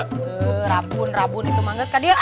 tuh rabun rabun itu mangga skadiak